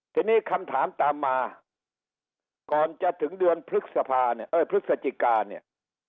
ทีนี้คำถามตามมาก่อนจะถึงเดือนพฤษภาเนี่ยเออพฤศจิกาเนี่ย